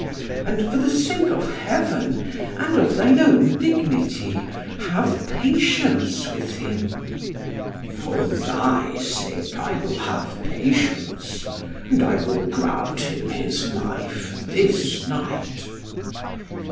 And for the sake of Heaven, and of thine own dignity, have patience with him." "For thy sake I will have patience, and I will grant him his life this night."